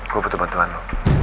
gue butuh bantuan lu